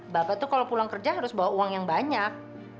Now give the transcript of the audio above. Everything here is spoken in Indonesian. bapak tuh kalau pulang kerja harus bawa uang yang banyak